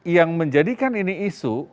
yang menjadikan ini isu